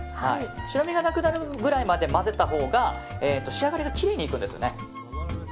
白身がなくなるぐらいまで混ぜたほうが仕上がりがきれいにいくんですね。